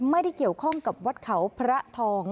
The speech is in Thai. ไม่ได้เกี่ยวข้องกับวัดเขาพระทอง